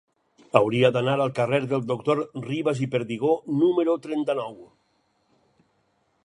Hauria d'anar al carrer del Doctor Ribas i Perdigó número trenta-nou.